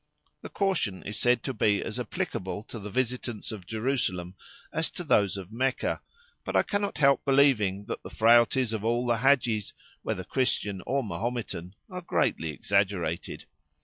The caution is said to be as applicable to the visitants of Jerusalem as to those of Mecca, but I cannot help believing that the frailties of all the hadjis, whether Christian or Mahometan, are greatly exaggerated.